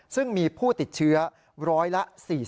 ซึ่งมีผู้ติดเชื้อร้อยละ๔๐